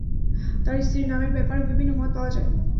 তার স্ত্রীর নামের ব্যাপারেও বিভিন্ন মত পাওয়া যায়।